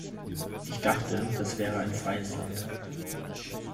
Ich dachte, das wäre ein freies Land.